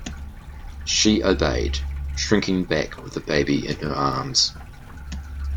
She obeyed, shrinking back with the baby in her arms.